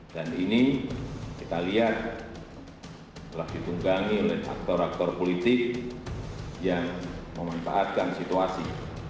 dan ini kita lihat telah ditunggangi oleh aktor aktor politik yang memanfaatkan situasi